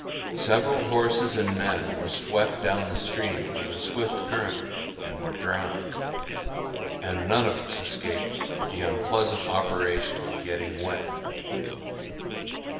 Several horses and men were swept down the stream by the swift current and were drowned; and none of us escaped the unpleasant operation of getting wet.